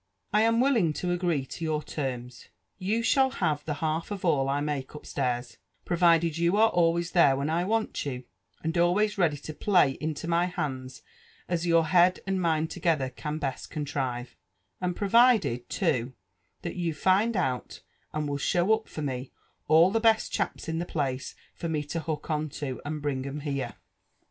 I am willing to agree to your terms : you sliali have the half of all I make upstairs, provided you are always there when I want you, and always ready to play into ipy hands as your head and mine together can best contrive; and provided too that you find out, and will show up for me, aH the best chaps in the place tor me to hook on to, and bring 'em here."